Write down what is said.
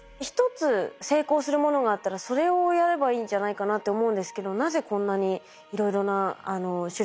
１つ成功するものがあったらそれをやればいいんじゃないかなって思うんですけどなぜこんなにいろいろな種類があるんですか？